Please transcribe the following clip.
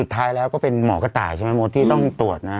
ท้ายแล้วก็เป็นหมอกระต่ายใช่ไหมมดที่ต้องตรวจนะ